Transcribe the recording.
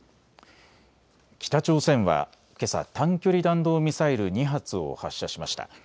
北朝鮮はけさ短距離弾道ミサイル２発を発射しました。